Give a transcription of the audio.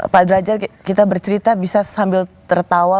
pak derajat kita bercerita bisa sambil tertawa